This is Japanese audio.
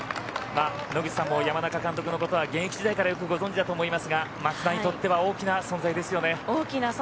野口さんも山中監督のことは現役時代からよくご存じだと思いますが松田にとっては大きな存在ですね。